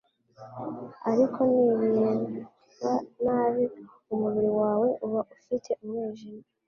ariko nirireba nabi, umubiri wawe uba ufite umwijima."